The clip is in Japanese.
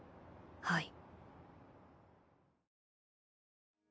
はい。